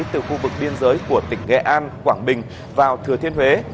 từ khu vực biên giới của tỉnh nghệ an quảng bình vào thừa thiên huế